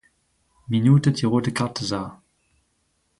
Minute die rote Karte sah.